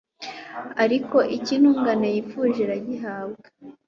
ariko icyo intungane yifuje, iragihabwa